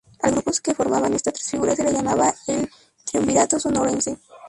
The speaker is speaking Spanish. Al grupo que formaban estas tres figuras se le llamaba "el triunvirato sonorense".